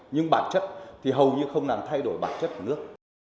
nhưng bản chất thì hầu như không làm thay đổi bản chất của nước